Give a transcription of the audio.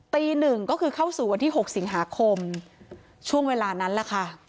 ตีหนึ่งก็คือเข้าสู่วันที่๖สิงหาคมช่วงเวลานั้นแหละค่ะ